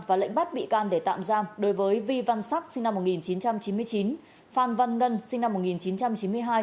và lệnh bắt bị can để tạm giam đối với vi văn sắc sinh năm một nghìn chín trăm chín mươi chín phan văn ngân sinh năm một nghìn chín trăm chín mươi hai